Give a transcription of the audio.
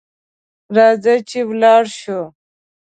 راځه چې لاړشوو